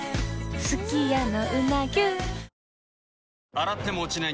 洗っても落ちない